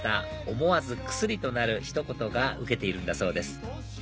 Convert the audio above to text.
思わずクスリとなるひと言がウケているんだそうです